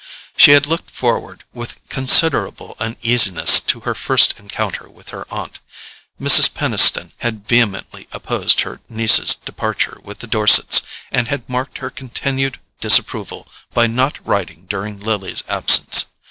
She had looked forward with considerable uneasiness to her first encounter with her aunt. Mrs. Peniston had vehemently opposed her niece's departure with the Dorsets, and had marked her continued disapproval by not writing during Lily's absence.